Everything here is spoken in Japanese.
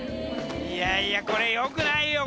いやいやこれよくないよ